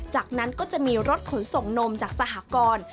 จากนั้นก็จะมีรถขนส่งนมจากสหกร